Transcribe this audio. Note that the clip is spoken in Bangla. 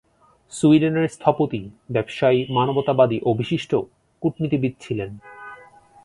সুইডেনের স্থপতি, ব্যবসায়ী, মানবতাবাদী ও বিশিষ্ট কূটনীতিবিদ ছিলেন।